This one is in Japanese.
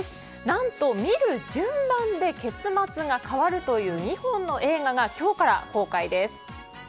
何と見る順番で結末が変わるという２本の映画が今日から公開です。